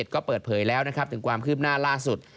ก็เปิดเผยแล้วนะครับถึงความคืบหน้าล่าสุด